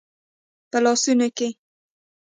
په لاسونو کې